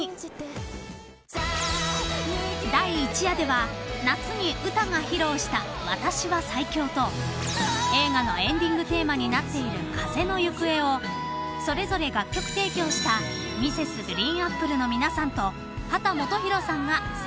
［第１夜では夏にウタが披露した『私は最強』と映画のエンディングテーマになっている『風のゆくえ』をそれぞれ楽曲提供したＭｒｓ．ＧＲＥＥＮＡＰＰＬＥの皆さんと秦基博さんがセルフカバー］